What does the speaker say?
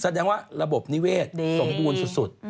แสดงว่าระบบนิเวศสมบูรณ์สุด